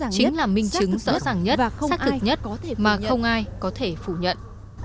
chính là minh chứng rõ ràng nhất xác thực nhất mà không ai có thể phủ nhận